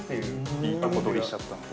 ◆いいとこ取りしちゃったので。